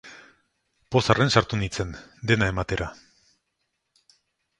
Pozarren sartu nintzen, dena ematera.